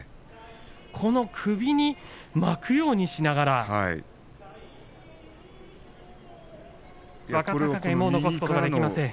この首に巻くようにしながら若隆景も残すことができません。